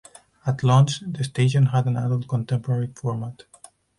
At launch, the station had an adult contemporary format.